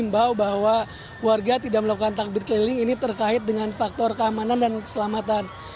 imbau bahwa warga tidak melakukan takbir keliling ini terkait dengan faktor keamanan dan keselamatan